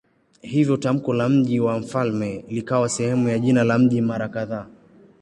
Hivyo tamko la "mji wa mfalme" likawa sehemu ya jina la mji mara kadhaa.